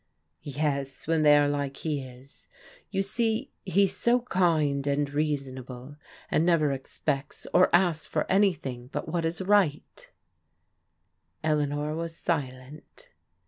'*" Yes, when they are like he is. You see, he's so kind and reasonable and never expects or asks for anything but what is right" 104 PRODIGAL DAUGHTEBS Eleanor was silent.